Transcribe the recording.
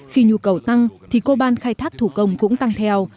khi nhu cầu tăng thì coban khai thác thủ công cũng tăng theo